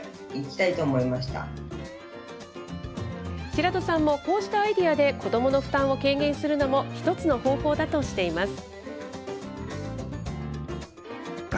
白土さんも、こうしたアイデアで子どもの負担を軽減するのも、一つの方法だとしています。